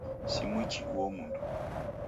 Simwichi uo mndu.